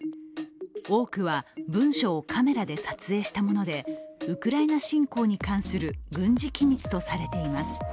多くは文書をカメラで撮影したもので、ウクライナ侵攻に関する軍事機密とされています。